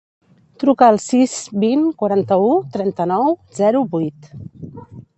Truca al sis, vint, quaranta-u, trenta-nou, zero, vuit.